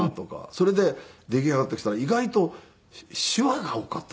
それで出来上がってきたら意外とシワが多かったんです。